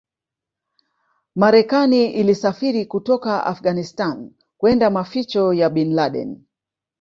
Marekani ilisafiri kutoka Afghanistan kwenda maficho ya Bin Laden